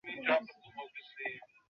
সুচরিতা কহিল, আপনি এলে কিন্তু ভালো হয়।